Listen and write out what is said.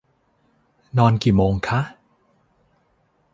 นอนกี่โมงคะ